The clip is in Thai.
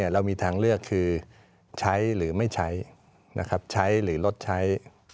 เรามีทางเลือกคือใช้หรือไม่ใช้ใช้หรือลดใช้